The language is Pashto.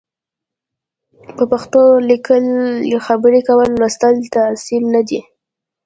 په پښتو لیکل خبري کول لوستل تعصب نه دی